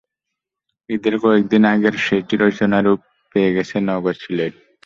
ঈদের কয়েক দিন আগের সেই চিরচেনা রূপ পেয়ে গেছে নগর সিলেট।